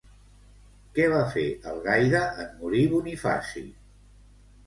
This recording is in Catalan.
Què va fer Algaida en morir Bonifaci?